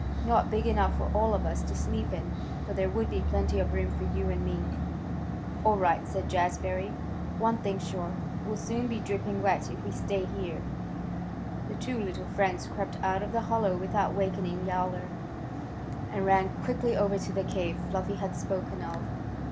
Not big enough for all of us to sleep in, but there would be plenty of room for you and me." "All right," said Jazbury. "One thing's sure, we'll soon be dripping wet if we stay here." The two little friends crept out of the hollow without wakening Yowler, and ran quickly over to the cave Fluffy had spoken of.